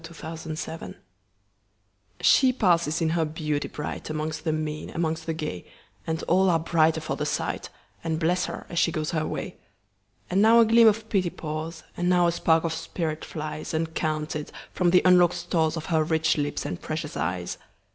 1840 The Secret SHE passes in her beauty brightAmongst the mean, amongst the gay, And all are brighter for the sight, And bless her as she goes her way. And now a gleam of pity pours, And now a spark of spirit flies, Uncounted, from the unlock'd storesOf her rich lips and precious eyes.